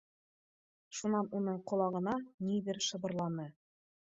Шунан уның ҡолағына ниҙер шыбырланы.